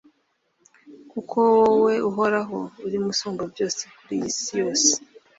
kuko wowe uhoraho, uri musumbabyose ku isi yose